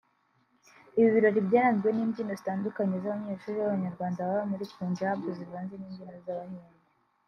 Ibi birori byaranzwe n’imbyino zitandukanye z’abanyeshuri b’abanyarwanda baba muri Punjab zivanze n’imbyino z’abahinde